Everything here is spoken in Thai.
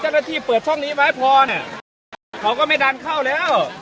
เจ้าหน้าที่เปิดช่องนี้ไว้พอเนี่ยเขาก็ไม่ดันเข้าแล้ว